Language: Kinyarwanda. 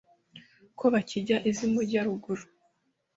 ko bakijya iz’i mujya-ruguru